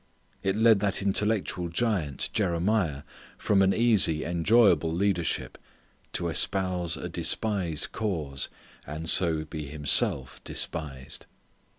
It led that intellectual giant Jeremiah from an easy enjoyable leadership to espouse a despised cause and so be himself despised.